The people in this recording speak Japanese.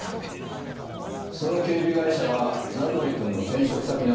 その警備会社が名取くんの転職先なんですよ。